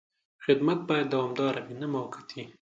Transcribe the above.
خدمت باید دوامداره وي، نه موقتي.